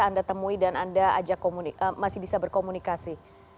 bisa anda temui dan anda masih bisa berkomunikasi